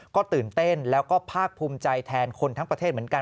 ก็ตื่นเต้นแล้วก็ภาคภูมิใจแทนคนทั้งประเทศเหมือนกัน